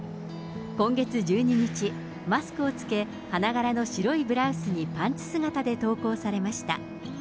今月１２日、マスクを着け、花柄の白いブラウスにパンツ姿で登校されました。